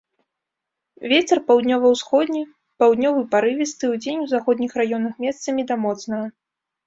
Вецер паўднёва-ўсходні, паўднёвы парывісты, удзень у заходніх раёнах месцамі да моцнага.